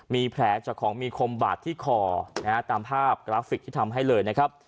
มีแผลจากของมีคมบาดที่คอนะฮะตามภาพกราฟิกที่ทำให้เลยนะครับ